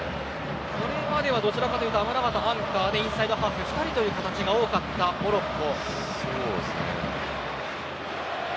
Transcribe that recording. それまではどちらかというとアムラバトはアンカーでインサイドハーフ２人という形が多かったモロッコ。